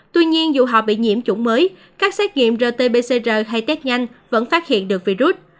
tuy nhiên dù họ bị nhiễm chủng mới các xét nghiệm rt pcr hay test nhanh vẫn phát hiện được virus